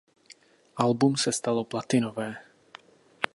Album se stalo platinové.